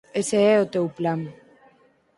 Ese é o teu plan.